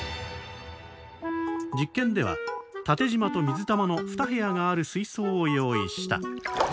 実験では縦じまと水玉の２部屋がある水槽を用意した。